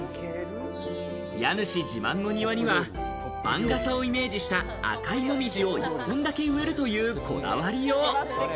家主自慢の庭には番傘をイメージした赤いもみじを１本だけ植えるというこだわりよう。